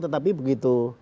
tetapi begitu saja